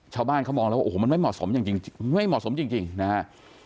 ชาวบ้านเขามองแล้วว่าโอ้โหมันไม่เหมาะสมจริงไม่เหมาะสมจริงนะฮะ